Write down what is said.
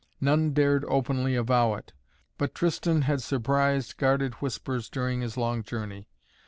None dared openly avow it, but Tristan had surprised guarded whispers during his long journey.